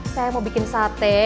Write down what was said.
saya mau bikin sate